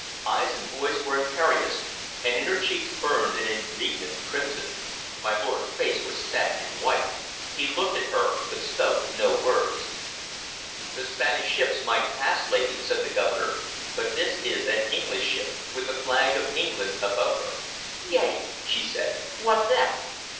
Eyes and voice were imperious, and in her cheeks burned an indignant crimson. My lord's face was set and white; he looked at her, but spoke no word. "The Spanish ships might pass, lady," said the Governor; "but this is an English ship, with the flag of England above her." "Yea," she said. "What then?"